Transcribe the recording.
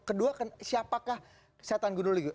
kedua siapakah setan gundul itu